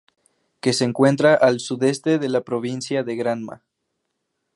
Que se encuentra al sudeste de la Provincia de Granma.